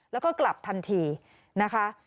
แล้วก็กลับทันทีนะคะ